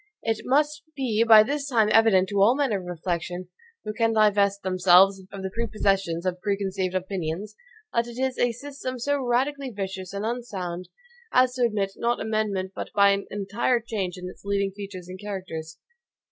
It must be by this time evident to all men of reflection, who can divest themselves of the prepossessions of preconceived opinions, that it is a system so radically vicious and unsound, as to admit not of amendment but by an entire change in its leading features and characters.